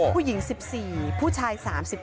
ผู้หญิง๑๔ผู้ชาย๓๙